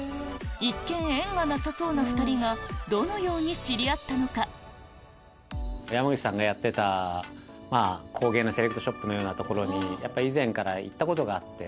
一見縁がなさそうな山口さんがやってた工芸のセレクトショップに以前から行ったことがあって。